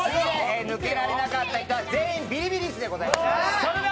抜けられなかった人は全員ビリビリ椅子です。